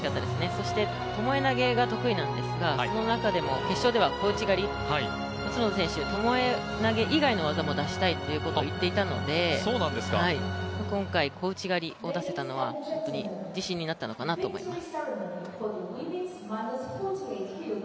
そしてともえ投げが得意なんですが、その中でも決勝では小内刈り、角田選手、ともえ投げ以外の技も出したいと言っていたので、今回小内刈りを出したのは自信になったのかなと思います。